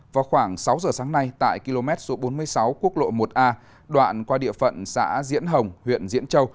vào khoảng sáu giờ sáng nay tại km bốn mươi sáu quốc lộ một a đoạn qua địa phận xã diễn hồng huyện diễn châu